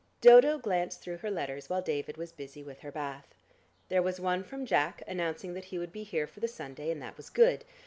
Dodo glanced through her letters while David was busy with her bath. There was one from Jack, announcing that he would be here for the Sunday, and that was good.